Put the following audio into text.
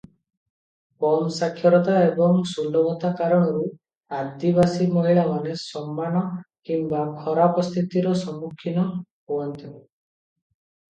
କମ୍ ସାକ୍ଷରତା ଏବଂ ସୁଲଭତା କାରଣରୁ ଆଦିବାସୀ ମହିଳାମାନେ ସମାନ କିମ୍ବା ଖରାପ ସ୍ଥିତିର ସମ୍ମୁଖୀନ ହୁଅନ୍ତି ।